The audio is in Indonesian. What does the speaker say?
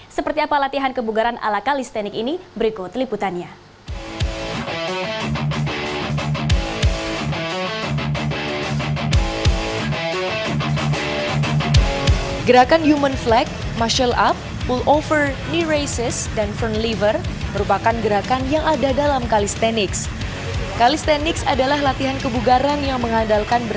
seperti apa latihan kebugaran ala kalistenik ini berikut liputannya